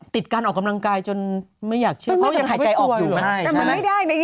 ติดการออกกำลังกายจนไม่อยากเชื่อ